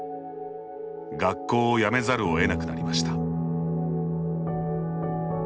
学校を辞めざるをえなくなりました。